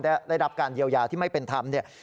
ได้รับการเยียวยาที่ไม่เป็นธรรมเนี่ย